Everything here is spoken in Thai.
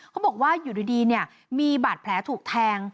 เขาบอกว่าอยู่ดีเนี่ยมีบาดแผลถูกแทง